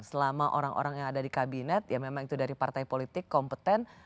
selama orang orang yang ada di kabinet ya memang itu dari partai politik kompeten